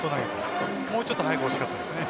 もうちょっと早く欲しかったですね。